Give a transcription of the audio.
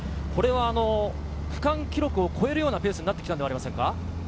これは区間記録を超えるようなペースになってきたのではありませんか。